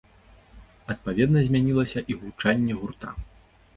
Адпаведна змянілася і гучанне гурта.